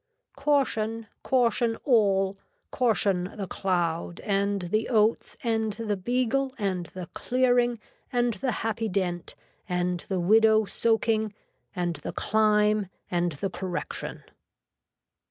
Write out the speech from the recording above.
Caution, caution all, caution the cloud and the oats and the beagle and the clearing and the happy dent and the widow soaking and the climb and the correction.